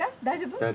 大丈夫？